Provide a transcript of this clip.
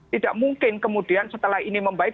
tidak mungkin kemudian setelah ini membaik